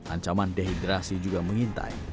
ancaman dehidrasi juga mengintai